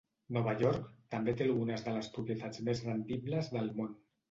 Nova York també té algunes de les propietats més rendibles del món.